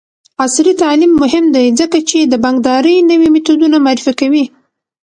عصري تعلیم مهم دی ځکه چې د بانکدارۍ نوې میتودونه معرفي کوي.